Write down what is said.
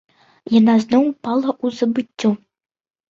Яна зноў упала ў забыццё.